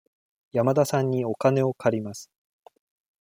山田さんにお金を借ります。